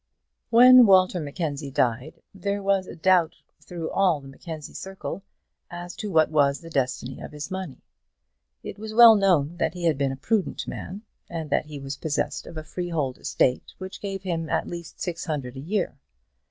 When Walter Mackenzie died there was a doubt through all the Mackenzie circle as to what was the destiny of his money. It was well known that he had been a prudent man, and that he was possessed of a freehold estate which gave him at least six hundred a year.